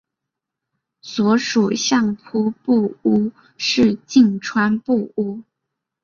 所属相扑部屋是境川部屋。